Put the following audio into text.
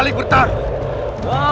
tempat di mana